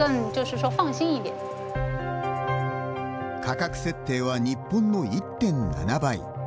価格設定は日本の１．７倍。